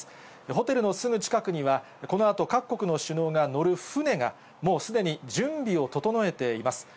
ホテルのすぐ近くには、このあと各国の首脳が乗る船が、もうすでに準備を整えています。